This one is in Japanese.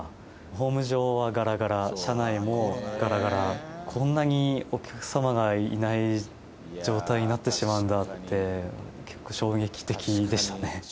ホーム上はがらがら、車内もがらがら、こんなにお客様がいない状態になってしまうんだって、結構、衝撃的でしたね。